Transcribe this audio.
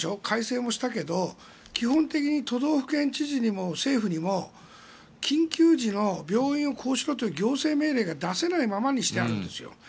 改正もしたけど基本的に都道府県知事にも政府にも緊急時の病院をこうしろという行政命令が出せないままにしてあるんですよ。